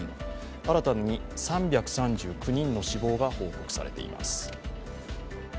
新たに３３９人の死亡が報告されています。